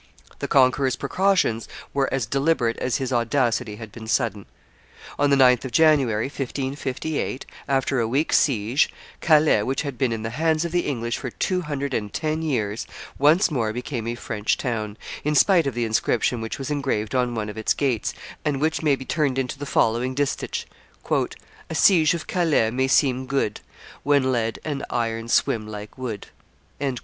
The conqueror's precautions were as deliberate as his audacity had been sudden. On the 9th of January, 1558, after a week's siege, Calais, which had been in the hands of the English for two hundred and ten years, once more became a French town, in spite of the inscription which was engraved on one of its gates, and which may be turned into the following distich: "A siege of Calais may seem good When lead and iron swim like wood."